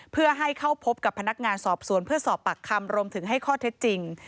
เพื่อให้เข้าพบกับพนักงานสอบสวนเพื่อสอบปากคำรวมถึงให้ข้อเท็จจริง